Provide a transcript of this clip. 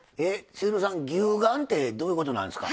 千鶴さん「牛丸」ってどういうことなんですか？